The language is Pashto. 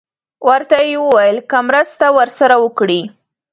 ورته یې وویل که مرسته ورسره وکړي.